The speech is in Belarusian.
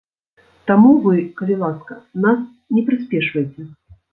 Таму вы, калі ласка, нас не прыспешвайце.